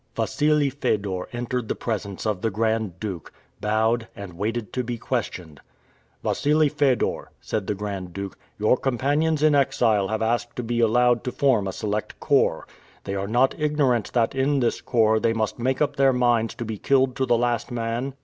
Wassili Fedor entered the presence of the Grand Duke, bowed, and waited to be questioned. "Wassili Fedor," said the Grand Duke, "your companions in exile have asked to be allowed to form a select corps. They are not ignorant that in this corps they must make up their minds to be killed to the last man?"